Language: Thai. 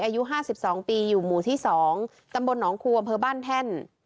อายุห้าสิบสองปีอยู่หมู่ที่สองตำบลน้องครูอำเภอบ้านแท่น